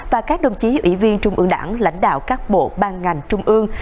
và các đồng chí ủy viên trung ương đảng lãnh đạo các bộ ban ngành trung ương